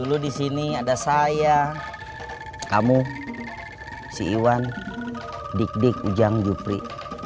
dulu di sini ada saya kamu si iwan dik dik ujang jupri